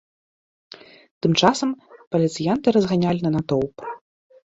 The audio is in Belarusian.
Тым часам паліцыянты разганялі натоўп.